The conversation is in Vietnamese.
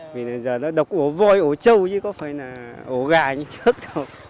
vì giờ nó độc ổ vôi ổ trâu chứ có phải là ổ gà như trước đâu